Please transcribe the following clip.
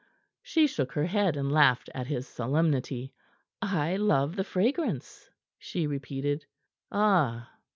She shook her head, and laughed at his solemnity. "I love the fragrance," she repeated. "Ah!